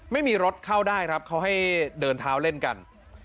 ไม่มีรถเข้าได้ครับเขาให้เดินเท้าเล่นกัน